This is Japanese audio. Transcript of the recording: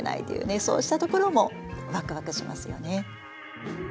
そうしたところもワクワクしますよね。